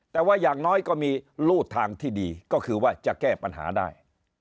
แต่ว่าอย่างน้อยก็มีรูดทางที่ดีก็คือว่าจะแก้ปัญหาได้